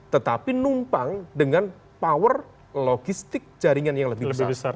tetapi numpang dengan power logistik jaringan yang lebih besar